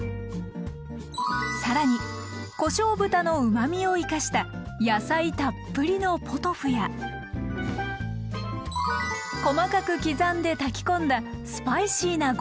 更にこしょう豚のうまみを生かした野菜たっぷりのポトフや細かく刻んで炊き込んだスパイシーなご飯もつくります。